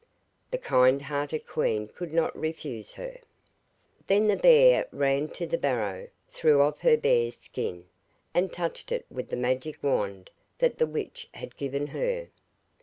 The kind hearted queen could not refuse her. Then the bear ran to her barrow, threw off her bear's skin, and touched it with the magic wand that the witch had given her.